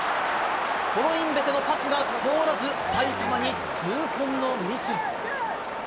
コロインベテのパスが通らず、埼玉に痛恨のミス。